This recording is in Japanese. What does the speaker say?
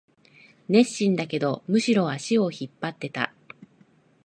熱心だけど、むしろ足を引っ張ってた